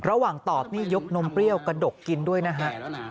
ระหว่างตอบนี่ยกนมเปรี้ยวกระดกกินด้วยนะฮะ